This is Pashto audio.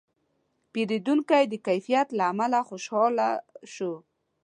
پیرودونکی د کیفیت له امله خوشاله شو.